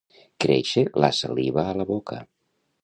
Créixer la saliva a la boca.